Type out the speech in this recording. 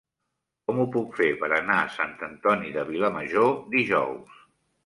Com ho puc fer per anar a Sant Antoni de Vilamajor dijous?